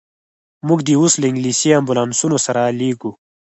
موږ دي اوس له انګلیسي امبولانسونو سره لېږو.